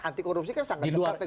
antikorupsi kan sangat dekat dengan